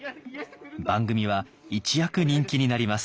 番組は一躍人気になります。